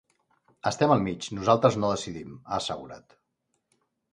Estem al mig, nosaltres no decidim, ha assegurat.